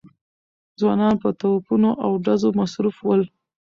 ځوانان په توپونو او ډزو مصروف ول.